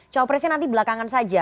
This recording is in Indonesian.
cawapresnya nanti belakangan saja